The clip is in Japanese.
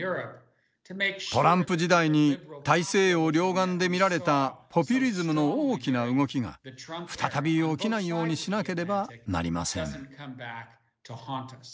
トランプ時代に大西洋両岸で見られたポピュリズムの大きな動きが再び起きないようにしなければなりません。